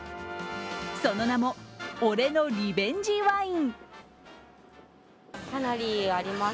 その名も、俺のリベンジワイン。